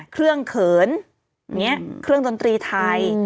เครื่องเขินเครื่องดนตรีไทย